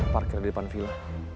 parkir di depan villa